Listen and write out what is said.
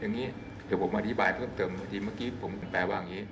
เดี๋ยวผมมาอธิบายเพิ่มเติมเมื่อกี้ผมแปลว่าอย่างงี้